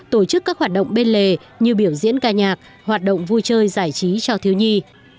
tổ chức các hoạt động bên lề như biểu diễn ca nhạc hoạt động vui chơi giải trí cho thiếu nhi